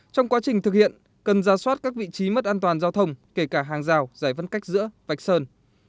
trong quá trình thực hiện cần ra soát các vị trí mất an toàn giao thông kể cả hàng rào giải văn cách giữa vạch sơn